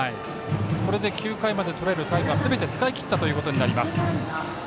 これで９回までとれるタイムはすべて使い切ったということになります。